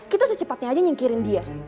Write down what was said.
kita secepatnya aja nyingkirin dia